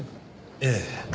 ええ。